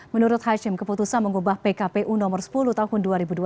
menurut hashim keputusan mengubah pkpu nomor sepuluh tahun dua ribu dua puluh